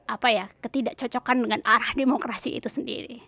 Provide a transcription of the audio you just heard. apa ya ketidak cocokan dengan arah demokrasi itu sendiri